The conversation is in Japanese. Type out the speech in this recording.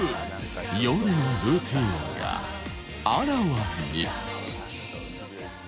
夜のルーティンがあらわに。